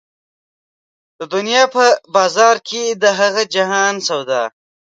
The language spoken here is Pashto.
د دنيا په بازار کېږي د هغه جهان سودا